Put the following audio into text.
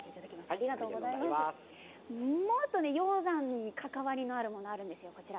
もっと鷹山に関わりがあるものがあるんですよ。